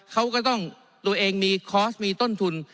เขาก็ต้องตัวเองมีคอร์สมีต้นทุน